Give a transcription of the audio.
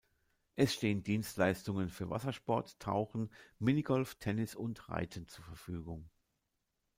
Es stehen Dienstleistungen für Wassersport, Tauchen, Minigolf, Tennis und Reiten zur Verfügung.